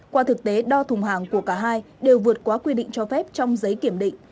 qua thực tế đo thùng hàng của cả hai đều vượt quá quy định cho phép trong giấy kiểm định